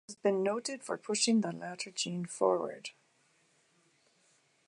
It has been noted for pushing the latter genre forward.